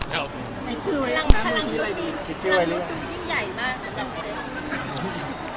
คิดชื่อไว้ดีกว่าไงคิดชื่อไว้ดีกว่าไง